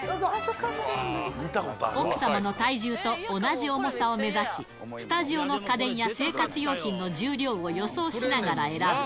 奥様の体重と同じ重さを目指し、スタジオの家電や、生活用品の重量を予想しながら選ぶ。